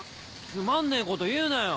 つまんねえこと言うなよ